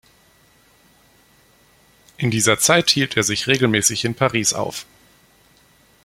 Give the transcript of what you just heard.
In dieser Zeit hielt er sich regelmäßig in Paris auf.